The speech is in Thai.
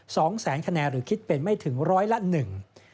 สองแสนคะแนนหรือคิดเป็นไม่ถึงร้อยละหนึ่ง